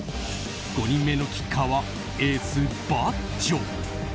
５人目のキッカーはエース、バッジョ！